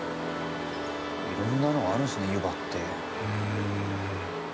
色んなのがあるんですね湯葉って。